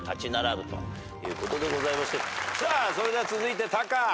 それでは続いてタカ。